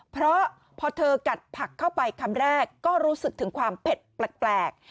เพราะพอเธอกัดผักเข้าไปคำแรกก็รู้สึกถึงความเผ็ดแปลก